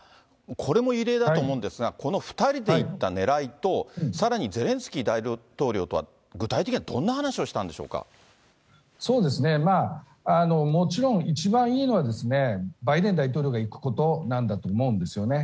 これも異例だと思うんですが、この２人で行ったねらいと、さらにゼレンスキー大統領とは具体的にはどんな話をしたんでしょもちろん一番いいのは、バイデン大統領が行くことなんだと思うんですよね。